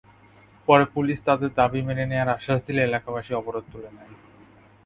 পরে পুলিশ তাঁদের দাবি মেনে নেওয়ার আশ্বাস দিলে এলাকাবাসী অবরোধ তুলে নেন।